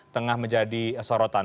tengah menjadi sorotan